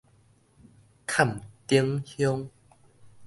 崁頂鄉